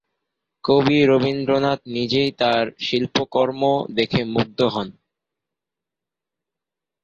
কবি রবীন্দ্রনাথ নিজেই তার শিল্পকর্ম দেখে মুগ্ধ হন।